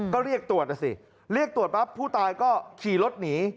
ก็เรียกตรวจนะสิเรียกตรวจปั๊บผู้ตายก็ขี่รถหนี